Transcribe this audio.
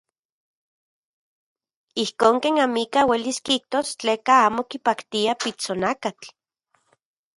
Ijkon ken amikaj uelis kijtos tleka amo kipaktia pitsonakatl.